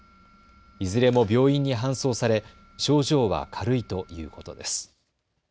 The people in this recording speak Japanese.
いずれも病院に搬送され症状は軽いということです。